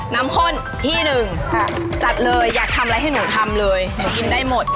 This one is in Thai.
ข้นที่หนึ่งจัดเลยอยากทำอะไรให้หนูทำเลยหนูกินได้หมด